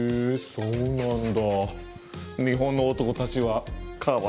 そうなんだ。